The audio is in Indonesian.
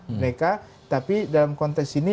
mereka tapi dalam konteks ini